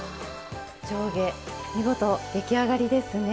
上下見事出来上がりですね。